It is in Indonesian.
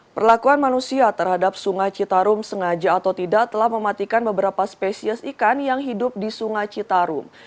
perlakuan manusia terhadap sungai citarum sengaja atau tidak telah mematikan beberapa spesies ikan yang hidup di sungai citarum